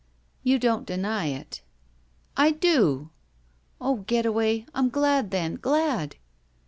•'You don't deny it." '•I do!" ''Oh, Getaway, I'm glad then, glad!"